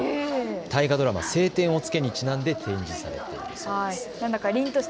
大河ドラマ、青天を衝けにちなんで展示されているそうです。